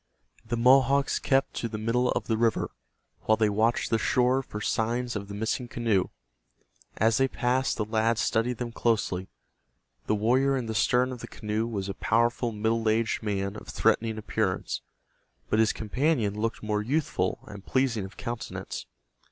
The Mohawks kept to the middle of the river, while they watched the shore for signs of the missing canoe. As they passed, the lads studied them closely. The warrior in the stern of the canoe was a powerful middle aged man of threatening appearance, but his companion looked more youthful and pleasing of countenance.